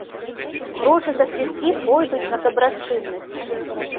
Грошы за квіткі пойдуць на дабрачыннасць.